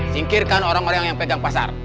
singkirkan orang orang yang pegang pasar